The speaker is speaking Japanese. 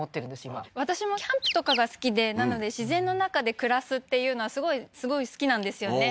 今私もキャンプとかが好きでなので自然の中で暮らすっていうのはすごいすごい好きなんですよね